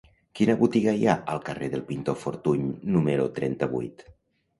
Quina botiga hi ha al carrer del Pintor Fortuny número trenta-vuit?